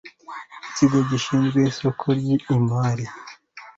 ikigo gishinzwe isoko ry imari